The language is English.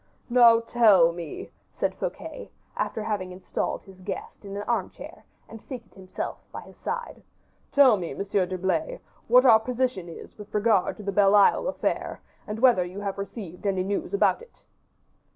"Now tell me," said Fouquet, after having installed his guest in an armchair and seated himself by his side, "tell me, Monsieur d'Herblay, what is our position with regard to the Belle Isle affair, and whether you have received any news about it."